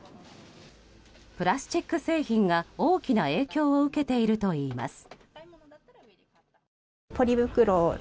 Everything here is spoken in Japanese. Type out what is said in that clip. プラスチック製品が大きな影響を受けているといいます。